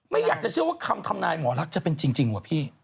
ไม่อยากจะเชื่อว่าคำทำนายหมอลักษณ์จะเป็นจริงว่ะพี่